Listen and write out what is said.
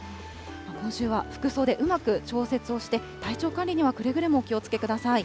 今週は服装でうまく調節をして、体調管理にはくれぐれもお気をつけください。